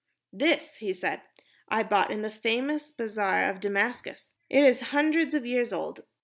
"This," he said, "I bought in the famous bazaar of Damascus. It is hundreds of years old.